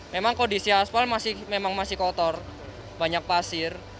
memang kondisi aspal masih kotor banyak pasir